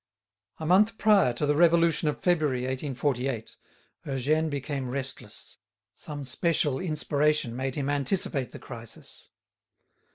A month prior to the Revolution of February, 1848, Eugène became restless; some special inspiration made him anticipate the crisis.